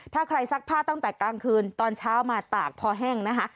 ถ้าใครซักผ้าตั้งแต่กลางคืนตอนเช้ามาตากพอแห้งนะคะ